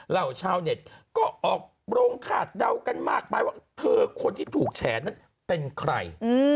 เหล่าชาวเน็ตก็ออกโรงคาดเดากันมากไปว่าเธอคนที่ถูกแฉนั้นเป็นใคร